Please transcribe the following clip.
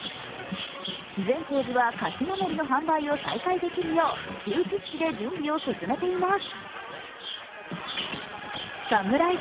善光寺は勝守の販売を再開できるよう急ピッチで準備を進めています。